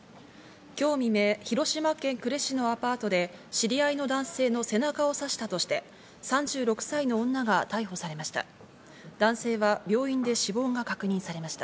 今日未明、広島県呉市のアパートで知り合いの男性の背中を刺したとして、３６歳の女が逮捕されました。